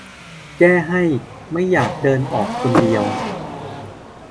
แก้ให้ ไม่อยากเดินออกคนเดียว